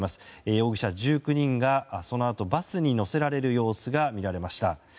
容疑者１９人が、そのあとバスに乗せられる様子が見られました。